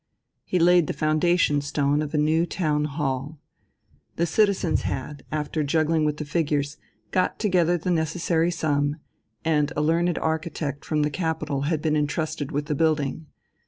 He laid the foundation stone of a new town hall. The citizens had, after juggling with the figures, got together the necessary sum, and a learned architect from the capital had been entrusted with the building.